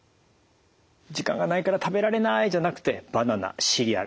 「時間がないから食べられない！」じゃなくてバナナシリアル。